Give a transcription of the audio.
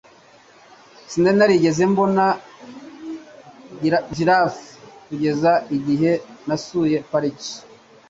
Sinari narigeze mbona giraffe kugeza igihe nasuye pariki.